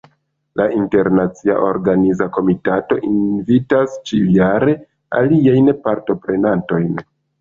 La internacia organiza komitato invitas ĉiujare aliajn partoprenantojn.